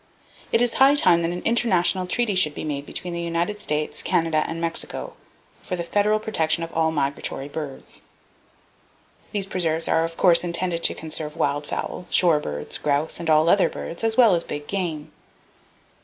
It is high time that an international treaty should be made between the United States, Canada and Mexico for the federal protection of all migratory birds. These preserves are of course intended to conserve wild fowl, shore birds, grouse and all other birds, as well as big game.